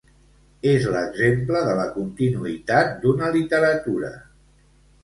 És l'exemple de la continuïtat d'una literatura.